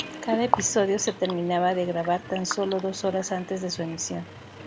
Cada episodio se terminaba de grabar tan solo dos horas antes de su emisión.